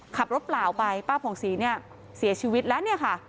ขับรถเปล่าไปป้าผ่องศรีเสียชีวิตแล้ว